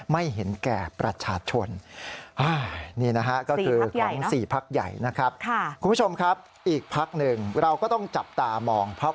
ไม่เห็นแก่ประชาชน